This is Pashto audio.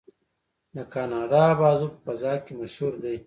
د کاناډا بازو په فضا کې مشهور دی.